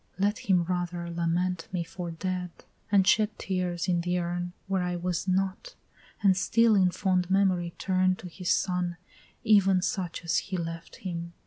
let him rather Lament for me dead, and shed tears in the urn Where I was not, and still in fond memory turn To his son even such as he left him.